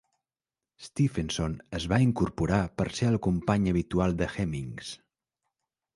Stephenson es va incorporar per ser el company habitual de Hemmings.